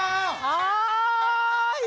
はい！